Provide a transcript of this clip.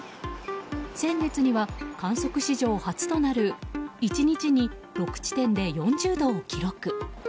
先月には観測史上初となる１日に６地点で４０度を記録。